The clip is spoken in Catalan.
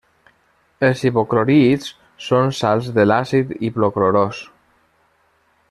Els hipoclorits són sals de l'àcid hipoclorós.